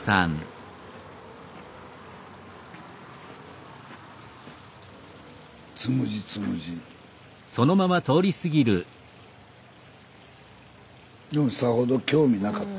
スタジオでもさほど興味なかった。